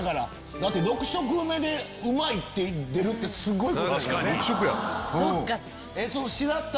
だって６食目で「うまい！」って出るってすごいことやからね。